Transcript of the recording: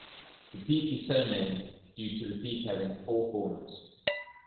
The peak is so named due to the peak having four corners.